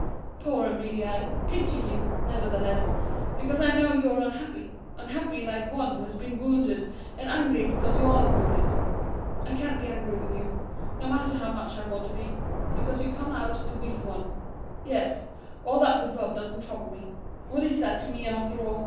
Poor Amelie, I pity you, nevertheless, because I know you are unhappy, unhappy like one who has been wounded, and angry because you are wounded. I can't be angry with you, no matter how much I want to be because you come out the weaker one. Yes, all that with Bob doesn't trouble me. What is that to me, after all?